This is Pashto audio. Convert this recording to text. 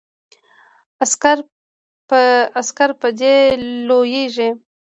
عسکر په دې لویږي.